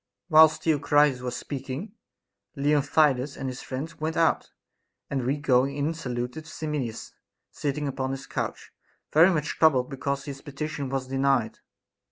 6. Whilst Theocritus was speaking, Leontidas and his friends went out ; and we going in saluted Simmias, sitting upon his couch, very much troubled because his petition was denied.